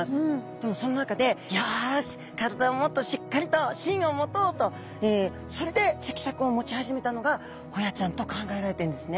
でもその中でよし体をもっとしっかりと芯を持とうとそれで脊索を持ち始めたのがホヤちゃんと考えられてるんですね。